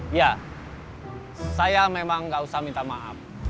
iya saya memang nggak usah minta maaf